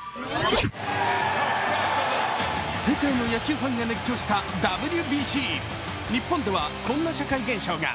世界の野球ファンが熱狂したＷＢＣ日本ではこんな社会現象が。